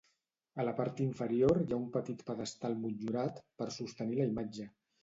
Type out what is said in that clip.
A la part inferior hi ha un petit pedestal motllurat, per sostenir la imatge.